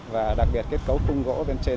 và đặc biệt kết cấu cung gỗ bên trên